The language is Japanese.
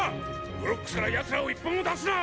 ブロックスから奴らを一歩も出すな！